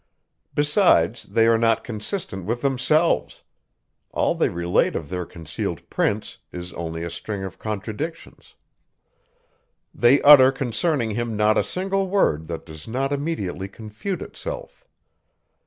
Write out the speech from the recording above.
Besides, they are not consistent with themselves; all they relate of their concealed prince is only a string of contradictions. They utter concerning him not a single word that does not immediately confute itself.